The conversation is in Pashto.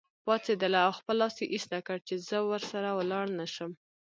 پاڅېدله او خپل لاس یې ایسته کړ چې زه ورسره ولاړ نه شم.